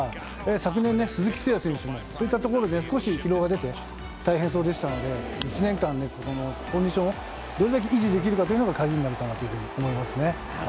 昨年、鈴木誠也選手もそういったところで疲労が出て大変そうでしたので１年間、コンディションをどれだけ維持できるかというのが鍵になると思います。